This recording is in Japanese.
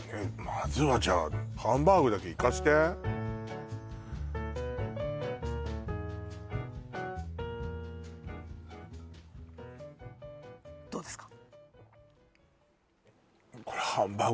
まずはじゃあハンバーグだけいかせてどうですか？